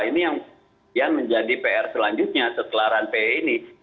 ini yang menjadi pr selanjutnya setelah ranpe ini